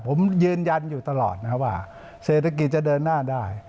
ผมยืนยันอยู่ตลอดนะครับว่าเศรษฐกิจจะเดินหน้าได้